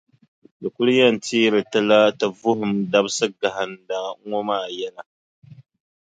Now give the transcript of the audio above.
Di kuli yɛn teeri ti la ti vuhim dabisiʼ gahinda ŋɔ maa yɛla.